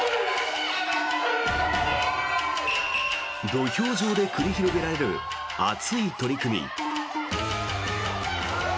土俵上で繰り広げられる熱い取組。